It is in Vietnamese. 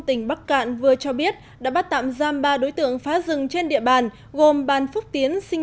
tỉnh bắc cạn vừa cho biết đã bắt tạm giam ba đối tượng phá rừng trên địa bàn gồm bàn phúc tiến sinh